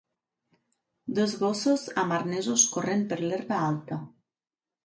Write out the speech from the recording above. Dos gossos amb arnesos corrent per l'herba alta.